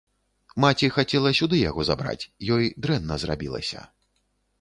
Маці хацела сюды яго забраць, ёй дрэнна зрабілася.